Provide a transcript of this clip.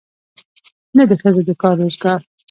نه د ښځو د کار روزګار.